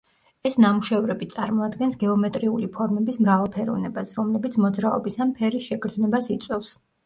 ეს ნამუშევრები წარმოადგენს გეომეტრიული ფორმების მრავალფეროვნებას, რომლებიც მოძრაობის ან ფერის შეგრძნებას იწვევს.